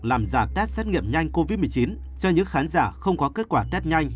làm giả test xét nghiệm nhanh covid một mươi chín cho những khán giả không có kết quả test nhanh